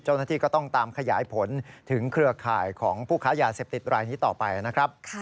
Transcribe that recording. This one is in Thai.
เจ้าหน้าที่ก็ต้องตามขยายผลถึงเครือข่ายของผู้ค้ายาเสพติดรายนี้ต่อไปนะครับ